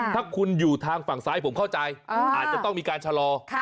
ถ้าคุณอยู่ทางฝั่งซ้ายผมเข้าใจอาจจะต้องมีการชะลอ